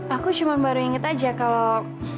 aku cuma baru inget aja kalau